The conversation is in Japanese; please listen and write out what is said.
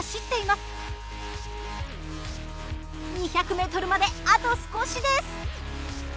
２００ｍまであと少しです。